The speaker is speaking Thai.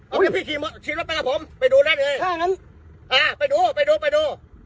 เอาไว้พี่ขี่หมดขี่รถไปกับผมไปดูได้เลยค่ะงั้นอ่าไปดูไปดูไปดู